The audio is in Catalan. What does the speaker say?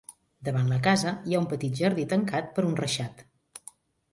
Davant la casa hi ha un petit jardí tancat per un reixat.